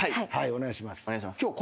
お願いします。